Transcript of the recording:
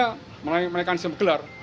ya tentunya mekanisme gelar